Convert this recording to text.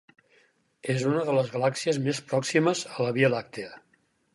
És una de les galàxies més pròximes a la Via Làctia.